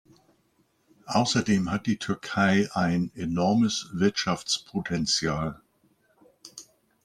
Außerdem hat die Türkei ein enormes Wirtschaftspotenzial.